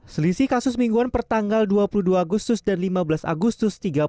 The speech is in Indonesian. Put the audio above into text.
selisih kasus mingguan pertanggal dua puluh dua agustus dan lima belas agustus